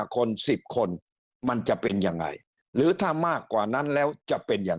คน๑๐คนมันจะเป็นยังไงหรือถ้ามากกว่านั้นแล้วจะเป็นอย่าง